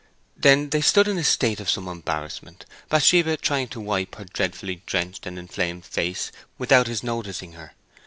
Then they stood in a state of some embarrassment, Bathsheba trying to wipe her dreadfully drenched and inflamed face without his noticing her.